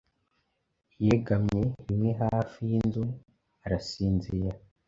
Yegamye rimwe hafi yinzuarasinzira